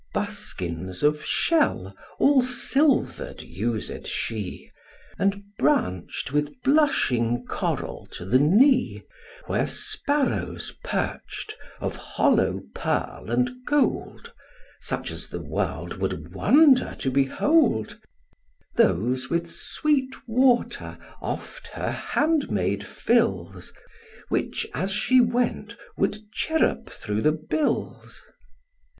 Buskins of shell, all silver'd, used she, And branch'd with blushing coral to the knee; Where sparrows perch'd, of hollow pearl and gold, Such as the world would wonder to behold: Those with sweet water oft her handmaid fills, Which, as she went, would cherup through the bills.